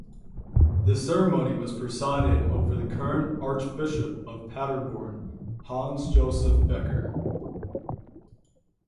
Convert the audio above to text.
The ceremony was presided over by the current Archbishop of Paderborn, Hans-Joseph Becker.